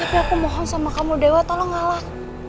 tapi aku mohon sama kamu dewa tolong alam